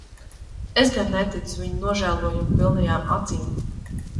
Es gan neticu viņa nožējojuma pilnajām acīm.